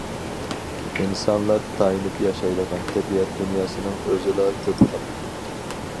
ئىنسانلار تايىنىپ ياشايدىغان تەبىئەت دۇنياسىنىڭ ئۆزىلا كۆپ خىل.